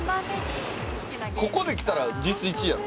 ここできたら実質１位やろ。